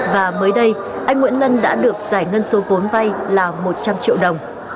và mới đây anh nguyễn lân đã được giải ngân số vốn vay là một trăm linh triệu đồng